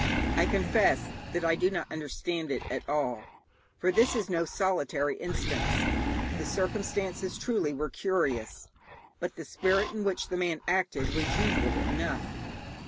I confess that I do not understand it at all, for this is no solitary instance. The circumstances, truly, were curious, but the spirit in which the man acted was usual enough.